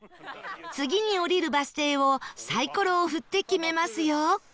次に降りるバス停をサイコロを振って決めますよ